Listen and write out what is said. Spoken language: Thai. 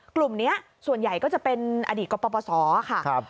กลุ่มนี้ส่วนใหญ่ก็จะเป็นอดีตกปศค่ะ